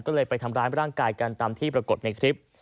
ก็เลยไปทำร้ายร่างกายกันตามที่ปรากฏในคลิป